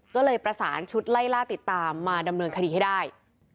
ก็เลยประสานชุดไล่ล่าติดตามมาดำเนินคดีให้ได้